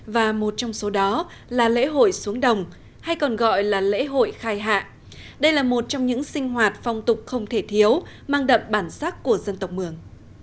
và một trong số đó là lễ hội xuống đồng hay còn gọi là lễ hội khai hạ đây là một trong những sinh hoạt phong tục không thể thiếu mang đậm bản sắc của dân tộc mường